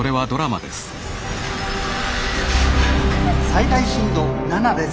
「最大震度７です。